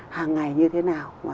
hàng ngày như thế nào